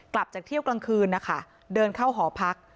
กลับจากเที่ยวกลางคืนนะคะเดินเข้าหอพัก